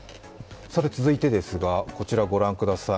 続いてですがこちらご覧ください。